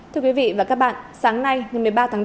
thưa quý vị và các bạn sáng nay ngày một mươi ba tháng bốn